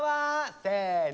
せの。